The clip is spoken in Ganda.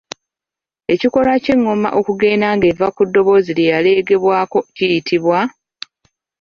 Ekikolwa ky'engoma okugenda ng'eva ku ddoboozi lye yaleegerwako kiyitibwa?